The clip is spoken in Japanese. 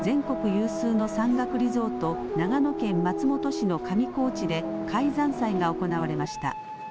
有数の山岳リゾート、長野県松本市の上高地で、開山祭が行われました。